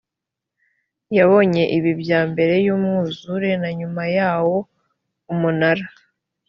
yabonye ibibi bya mbere y umwuzure na nyuma yawo umunara